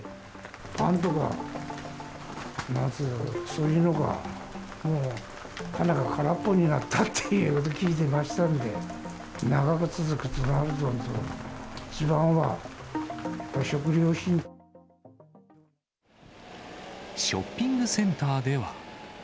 パンとか、そういうのがもう棚が空っぽになったっていうのを聞いてましたんで、長く続くとなると、ショッピングセンターでは。